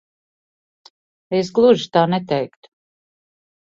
Es gluži tā neteiktu.